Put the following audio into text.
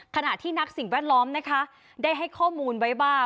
ขณะที่นักสิ่งแวดล้อมนะคะได้ให้ข้อมูลไว้ว่า